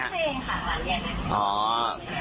ใช่ครับมาเนี่ย